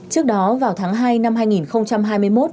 trước đó vào tháng hai năm hai nghìn hai mươi một